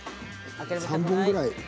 ３本ぐらい。